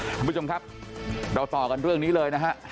คุณผู้ชมครับเราต่อกันเรื่องนี้เลยนะฮะ